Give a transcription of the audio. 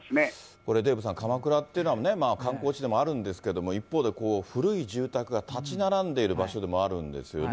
これ、デーブさん、鎌倉というのは観光地でもあるんですけど、一方で古い住宅が建ち並んでいる場所でもあるんですよね。